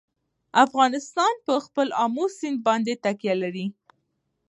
افغانستان په خپل آمو سیند باندې تکیه لري.